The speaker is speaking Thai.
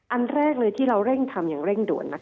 อันแรกเลยที่เราเร่งทำอย่างเร่งด่วน